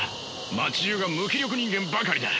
街じゅうが無気力人間ばかりだ。